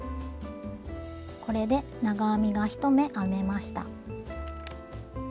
これで長編みが１目編めました。